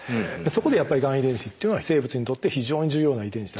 そこでやっぱりがん遺伝子っていうのは生物にとって非常に重要な遺伝子だと。